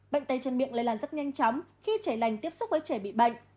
bệnh tay chân miệng lây lan rất nhanh chóng khi trẻ lành tiếp xúc với trẻ bị bệnh